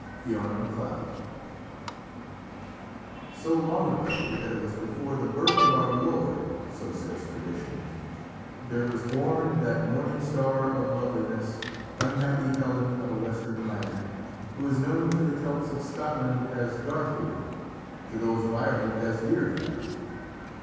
Fiona Macleod. So long ago, that it was before the birth of our Lord, so says tradition, there was born that "Morning star of loveliness, Unhappy Helen of a Western land," who is known to the Celts of Scotland as Darthool, to those of Ireland as Deirdrê.